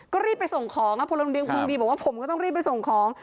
ก็รีบไปส่งของครับพลเมิงดีคนนี้ก็บอกว่าผมก็ต้องรีบไปส่งของ